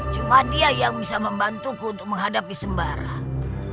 cuma dia yang bisa membantuku untuk menghadapi sembarang